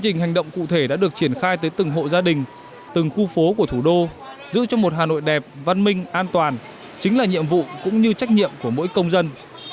hành động cụ thể đã được triển khai tới từng hộ gia đình từng khu phố của thủ đô giữ cho một hà nội đẹp văn minh an toàn chính là nhiệm vụ cũng như trách nhiệm của mỗi công dân